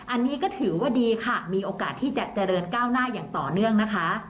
อันนี้ก็ถือว่าดีค่ะมีโอกาสที่จะเจริญก้าวหน้าอย่างต่อเนื่องนะคะ